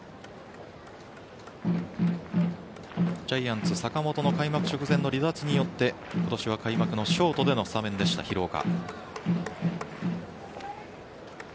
ジャイアンツ、坂本の開幕直前の離脱によって今年は開幕のショートでのスタメンでした、廣岡。